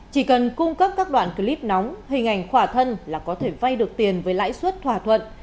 chỉ cần cung cấp các đoạn clip nóng hình ảnh khỏa thân là có thể vay được tiền với lãi suất thỏa thuận